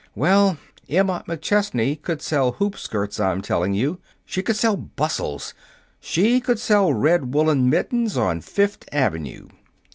Well, Emma McChesney could sell hoop skirts, I'm telling you. She could sell bustles. She could sell red woolen mittens on Fifth Avenue!"